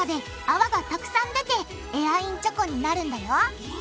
わがたくさん出てエアインチョコになるんだよ